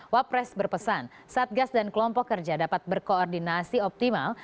wapres berpesan satgas dan kelompok kerja dapat berkoordinasi optimal